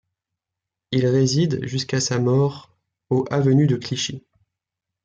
Il réside jusqu'à sa mort au avenue de Clichy.